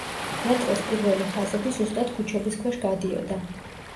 მეტროს პირველი ხაზები ზუსტად ქუჩების ქვეშ გადიოდა.